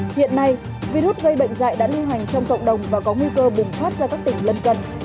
hiện nay virus gây bệnh dạy đã lưu hành trong cộng đồng và có nguy cơ bùng phát ra các tỉnh lân cận